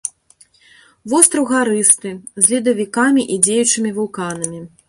Востраў гарысты, з ледавікамі і дзеючымі вулканамі.